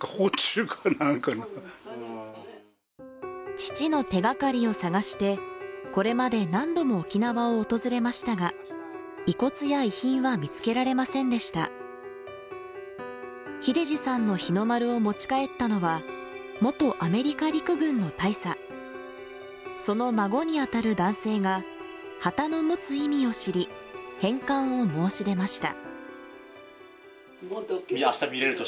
父の手がかりを探してこれまで何度も沖縄を訪れましたが遺骨や遺品は見つけられませんでした秀二さんの日の丸を持ち帰ったのは元アメリカ陸軍の大佐その孫に当たる男性が旗の持つ意味を知り返還を申し出ました